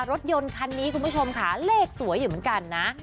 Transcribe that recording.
รถยนต์คันนี้คุณผู้ชมค่ะเลขสวยอยู่เหมือนกันนะ